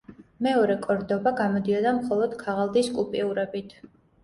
მეორე კორდობა გამოდიოდა მხოლოდ ქაღალდის კუპიურებით.